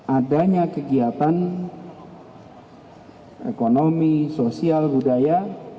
adanya kegiatan ekonomi sosial budaya